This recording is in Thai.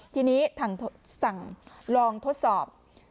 ทีนี้สั่งลองทดสอบ